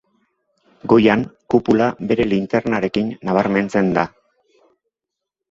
Goian, kupula bere linternarekin nabarmentzen da.